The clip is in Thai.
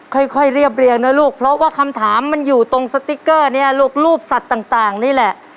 ค่อยเรียบเรียงนะลูกเพราะว่าคำถามมันอยู่ตรงสติ๊กเกอร์เนี่ยลูกรูปสัตว์ต่างนี่แหละ